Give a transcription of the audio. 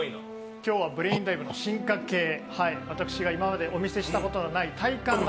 今日はブレインダイブの進化系、私が今までお見せしたことない体感型。